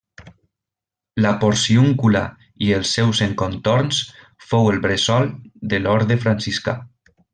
La Porciúncula i els seus encontorns fou el bressol de l'Orde Franciscà.